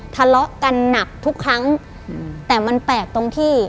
ทะเลาะกันหนักทุกครั้งแต่มันแปลกตรงที่